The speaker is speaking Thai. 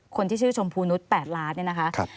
คนที่ชื่อชมพูนุษย์๘ล้านเนี่ยนะคะ